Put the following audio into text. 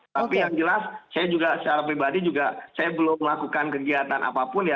tapi yang jelas saya juga secara pribadi juga saya belum melakukan kegiatan apapun ya